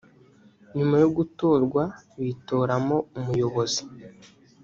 nyuma yo gutorwa bitoramo umuyobozi